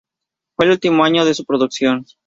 Fue el último año de su producción.